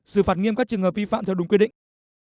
xử phạt nghiêm các trường hợp vi phạm theo đúng quy định